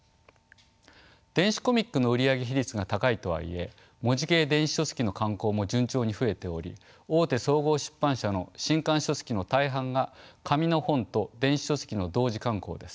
電子コミックの売上比率が高いとはいえ文字系電子書籍の刊行も順調に増えており大手総合出版社の新刊書籍の大半が紙の本と電子書籍の同時刊行です。